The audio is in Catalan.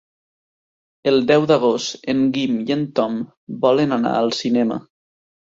El deu d'agost en Guim i en Tom volen anar al cinema.